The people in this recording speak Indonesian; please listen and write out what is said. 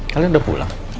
kalian udah pulang